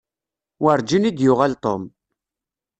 Werǧin i d-yuɣal Tom.